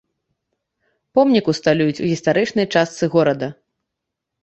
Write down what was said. Помнік усталююць у гістарычнай частцы горада.